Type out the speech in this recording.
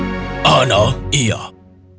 ada masalah aneh yang sedang kita hadapi